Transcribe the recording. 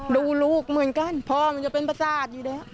ดูลูกเหมือนกันพ่อมันจะเป็นประสาทอยู่แล้ว